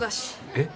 えっ？